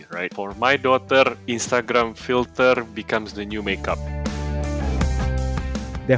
untuk anakku filter instagram menjadi makeup baru